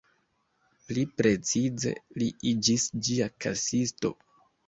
Pli precize, li iĝis ĝia kasisto.